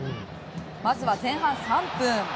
まず前半３分。